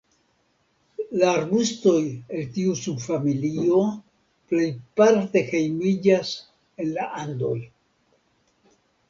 La arbustoj el tiu subfamilio plejparte hejmiĝas en la Andoj.